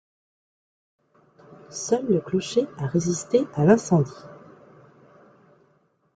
Seul le clocher a résisté à l'incendie.